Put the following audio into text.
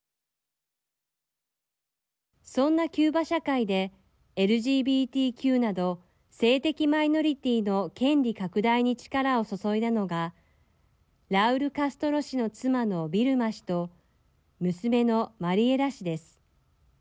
そんなキューバ社会でＬＧＢＴＱなど性的マイノリティーの権利拡大に力を注いだのがラウル・カストロ氏の妻のビルマ氏と娘のマリエラ氏です。